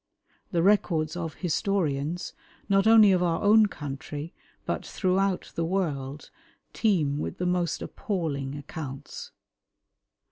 The records of historians, not only of our own country, but throughout the world, teem with the most appalling accounts.